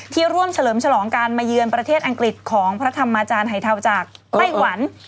ร่วมเฉลิมฉลองการมาเยือนประเทศอังกฤษของพระธรรมอาจารย์ไฮเทาจากไต้หวัน